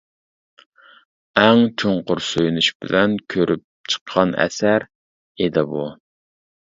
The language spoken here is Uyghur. ئەڭ چوڭقۇر سۆيۈنۈش بىلەن كۆرۈپ چىققان ئەسەر ئىدى بۇ!